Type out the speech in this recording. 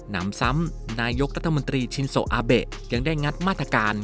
นำซ้ำนายกรัฐมนตรีชินโซอาเบะยังได้งัดมาตรการ